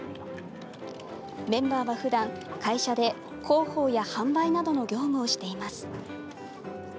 メンバーは普段、会社で広報や販売などの業務をしています。